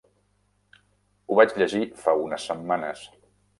Ho vaig llegir fa unes setmanes.